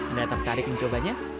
anda tertarik mencobanya